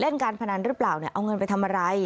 การพนันหรือเปล่าเนี่ยเอาเงินไปทำอะไร